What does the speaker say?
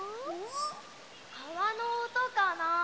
かわのおとかな？